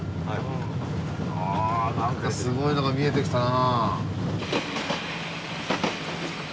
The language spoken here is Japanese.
あ何かすごいのが見えてきたな。